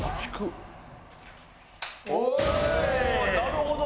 なるほど！